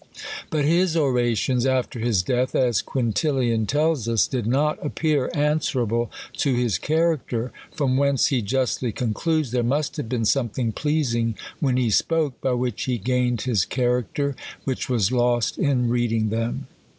But his orations after his death, as Quintilian tells us, did not appear answerable to his character; from whence he justly concludes, there must have been something pleasing when he spoke, by which he gained. feis character, which was lost in reading them.